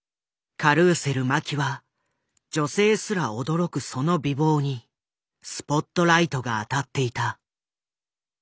カルーセル麻紀は女性すら驚くその美貌にスポットライトが当たっていた。